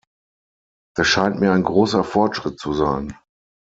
Das scheint mir ein großer Fortschritt zu sein.